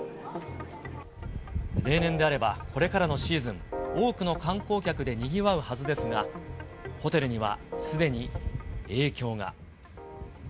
例年であればこれからのシーズン、多くの観光客でにぎわうはずですが、ホテルにはすでに影響が。